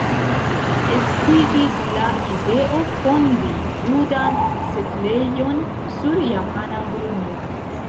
Estiĝis la ideo fondi judan setlejon sur japana grundo.